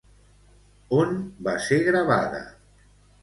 On va ser gravada?